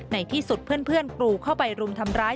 ในที่สุดเพื่อนกรูเข้าไปรุมทำร้าย